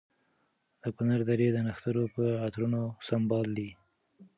د کنر درې د نښترو په عطرونو سمبال دي.